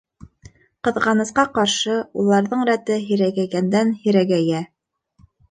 Ҡыҙғанысҡа ҡаршы, уларҙың рәте һирәгәйгәндән-һирәгәйә.